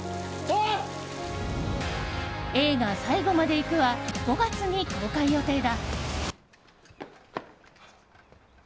映画「最後まで行く」は５月に公開予定だ。